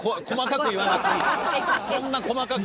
そんな細かく。